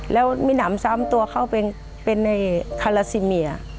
แล้วมีหนำซ้ำตัวเขาเป็นในคาราซิเมีย